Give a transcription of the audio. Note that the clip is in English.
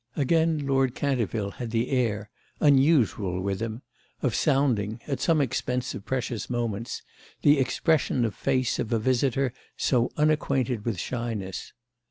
Again Lord Canterville had the air, unusual with him, of sounding, at some expense of precious moments, the expression of face of a visitor so unacquainted with shyness.